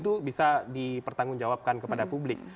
itu bisa dipertanggungjawabkan kepada publik